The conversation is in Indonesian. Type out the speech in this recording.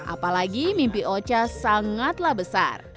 apalagi mimpi oca sangatlah besar